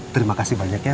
terima kasih banyak ya